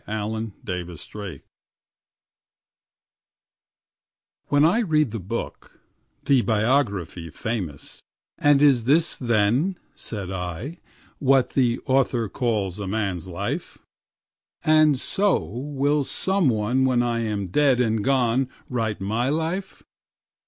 When I Read the Book When I read the book, the biography famous, And is this then (said I) what the author calls a man's life? And so will some one when I am dead and gone write my life?